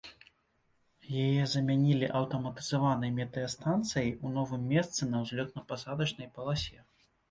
Яе замянілі аўтаматызаванай метэастанцыяй у новым месцы на ўзлётна-пасадачнай паласе.